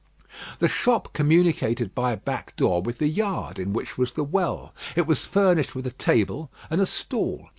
The shop communicated by a back door with the yard in which was the well. It was furnished with a table and a stool.